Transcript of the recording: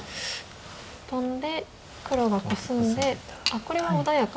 トンで黒がコスんでこれは穏やかなワカレですか。